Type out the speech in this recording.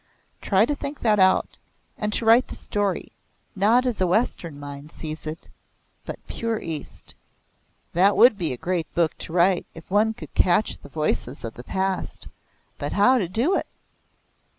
Try to think that out, and to write the story, not as a Western mind sees it, but pure East." "That would be a great book to write if one could catch the voices of the past. But how to do it?"